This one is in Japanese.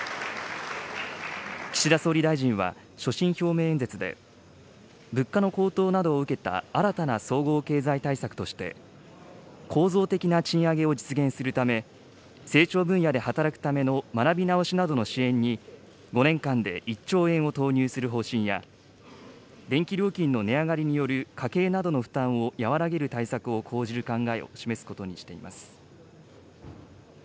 岸田総理大臣は、所信表明演説で、物価の高騰などを受けた新たな総合経済対策として、構造的な賃上げを実現するため、成長分野で働くための学び直しなどの支援に、５年間で１兆円を投入する方針や、電気料金の値上がりによる家計などの負担を和らげる対策を講じる考えを示すことにしています。